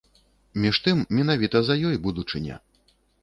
Між тым, менавіта за ёй будучыня.